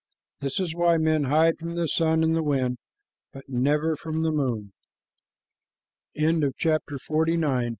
This is why men hide from the sun and the wind, but never from the moon. WHY THERE IS